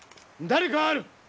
誰かある！